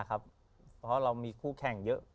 เพราะเรามีคู่แข่งเยอะ